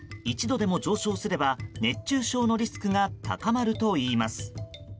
１度でも上昇すれば熱中症のリスクが高まるといいます。